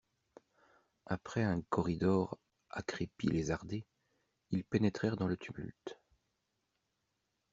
Après un corridor à crépi lézardé, ils pénétrèrent dans le tumulte.